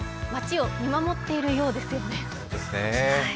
街を見守っているようですよね。